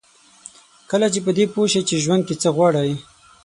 کله چې په دې پوه شئ چې ژوند کې څه غواړئ.